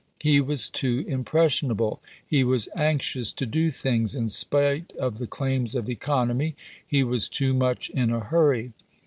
He was too impressionable. He was anxious to do things, in spite of the claims of economy. He was too much in a hurry.